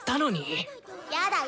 やだよ。